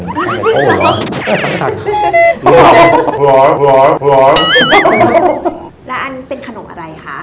แล้วอันนี้เป็นขนมอะไรคะ